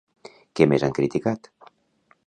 Què més han criticat?